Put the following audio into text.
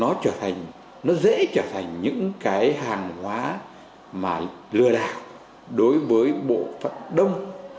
đó chính là những cái mà nó đang mù mở và nó dễ trở thành những cái hàng hóa mà lừa đạc đối với bộ phận đông